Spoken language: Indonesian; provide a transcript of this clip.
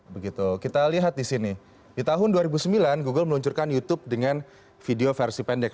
begitu kita lihat di sini di tahun dua ribu sembilan google meluncurkan youtube dengan video versi pendek